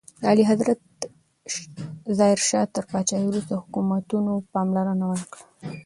د اعلیحضرت ظاهر شاه تر پاچاهۍ وروسته حکومتونو پاملرنه ونکړه.